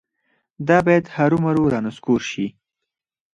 دا باید هرومرو رانسکور شي.